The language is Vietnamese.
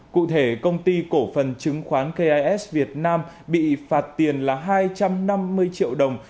cụ thể công ty cổ phần chứng khoán ks việt nam bị phạt tiền là hai trăm năm mươi triệu đồng